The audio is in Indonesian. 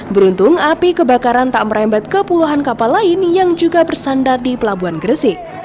beruntung api kebakaran tak merembet ke puluhan kapal lain yang juga bersandar di pelabuhan gresik